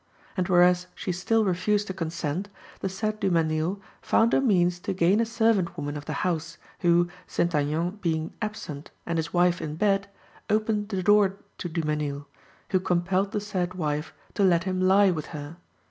And whereas she still refused to consent, the said Dumesnil found a means to gain a servant woman of the house, who, St. Aignan being absent and his wife in bed, opened the door to Dumesnil, who compelled the said wife to let him lie with her.